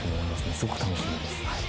すごく楽しみです。